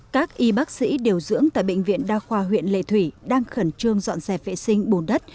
các y bác sĩ điều dưỡng tại bệnh viện đa khoa huyện lệ thủy đang khẩn trương dọn xe vệ sinh bùn đất